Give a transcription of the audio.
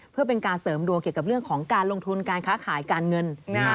เพื่อเป็นการเสริมดวงเกี่ยวกับเรื่องของการลงทุนการค้าขายการเงิน